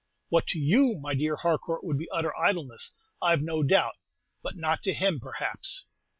"What to you, my dear Harcourt, would be utter idleness, I've no doubt; but not to him, perhaps."